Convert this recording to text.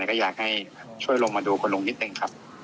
ก็อยากให้ช่วยลงมาดูคุณลุงนิดหนึ่งครับ